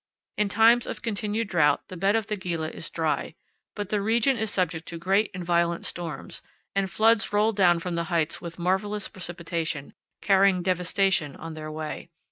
In times of continued drought the bed of the Gila is dry, but the region is subject to great and violent storms, and floods roll down from the heights with marvelous precipitation, carrying devastation on their way.